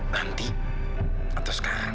nanti atau sekarang